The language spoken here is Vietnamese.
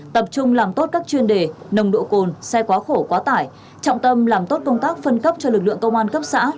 tập trung làm tốt các chuyên đề nồng độ cồn xe quá khổ quá tải trọng tâm làm tốt công tác phân cấp cho lực lượng công an cấp xã